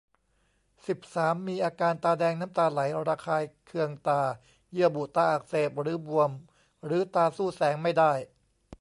สิบสาม มีอาการตาแดง น้ำตาไหล ระคายเคืองตา เยื่อบุตาอักเสบหรือบวม หรือตาสู้แสงไม่ได้